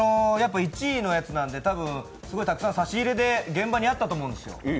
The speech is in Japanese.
１位のやつなんで、すごいたくさん差し入れで現場にあったと思うんですよ。